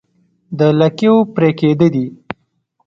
د لکيو پرې کېده دي